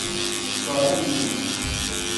Ṣekkeṛ allen-im.